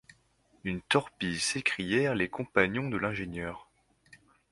Une torpille s’écrièrent les compagnons de l’ingénieur